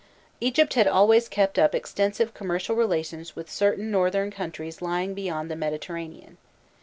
Egypt had always kept up extensive commercial relations with certain northern countries lying beyond the Mediterranean.